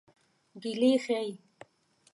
ګیلې ښيي.